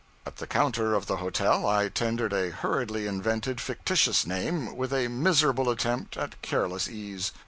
At the counter of the hotel I tendered a hurriedly invented fictitious name, with a miserable attempt at careless ease.